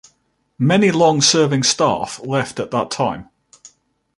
Many long-serving staff left at that time.